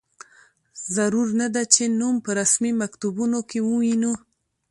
ضرور نه ده چې نوم په رسمي مکتوبونو کې ووینو.